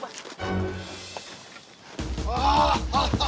orang aja orang